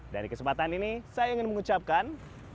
dari kesempatan ini saya ingin mengucapkan